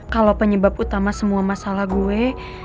kalau penyebab utama semua masalah gue